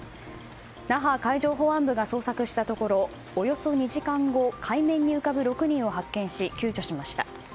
那覇海上保安部が捜索したところおよそ２時間後、海面に浮かぶ６人を発見し、救助しました。